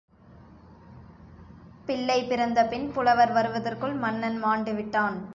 பிள்ளை பிறந்தபின் புலவர் வருவதற்குள், மன்னன் மாண்டுவிட்டான்.